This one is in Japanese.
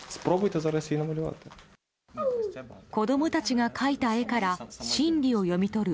子供たちが描いた絵から心理を読み取る